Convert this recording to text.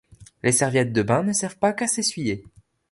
Les serviettes de bain ne servent pas qu'à s'essuyer.